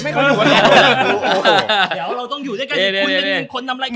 ไม่มีคนอยู่กันไม่ก็ลืม